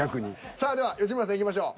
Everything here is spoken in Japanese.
さあでは吉村さんいきましょう。